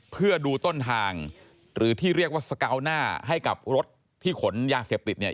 เพื่อดูต้นทางหรือที่เรียกว่าสกาวหน้าให้กับรถที่ขนยาเสพติดเนี่ย